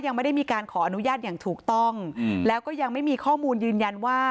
ยังไม่ได้มีการขออนุญาตอย่างถูกต้องแล้วก็ยังไม่มีข้อมูลยืนยันว่า